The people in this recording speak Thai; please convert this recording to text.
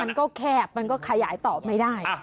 มันก็แคบมันก็ขยายต่อไม่ได้